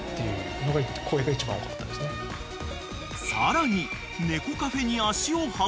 ［さらに］